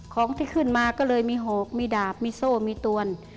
ของที่ขึ้นมาก็เลยมีหอกมีดาบมีโซ่มีตวน